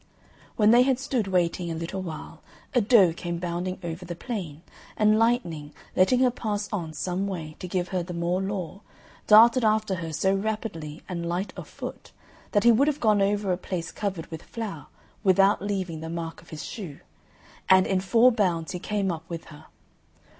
When they had stood waiting a little while, a doe came bounding over the plain, and Lightning, letting her pass on some way, to give her the more law, darted after her so rapidly and light of foot, that he would have gone over a place covered with flour without leaving the mark of his shoe, and in four bounds he came up with her.